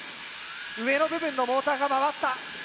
上の部分のモーターが回った。